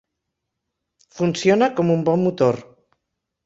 Funciona com un bon motor.